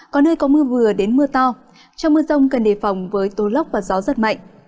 có nơi có mưa vừa đến mưa to trong mưa rông cần đề phòng với tố lốc và gió rất mạnh